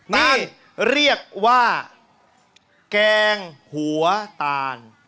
นี่เรียกว่าแกงหัวตาล